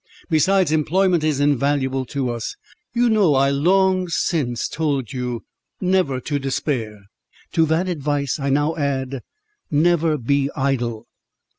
Besides, employment is invaluable to us; you know I long since told you never to despair—to that advice I now add, never be idle."